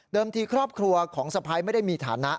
ที่ครอบครัวของสะพ้ายไม่ได้มีฐานะ